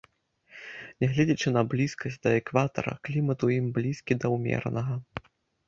Нягледзячы на блізкасць да экватара, клімат у ім блізкі да ўмеранага.